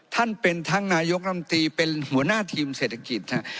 ท่านเป็นทั้งนายกรัมตีเป็นหัวหน้าทีมเศรษฐกิจ